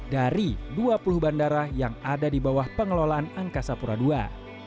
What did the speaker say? dari dua puluh bandara yang ada di bawah pengelolaan angkasa pura ii